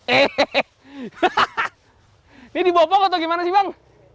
ini di bopong atau gimana sih bang